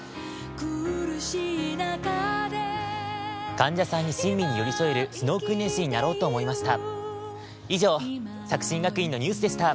患者さんに親身に寄り添える視能訓練士になろうと思いました。